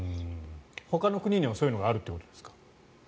ほかの国にはそういうのがあるということですか。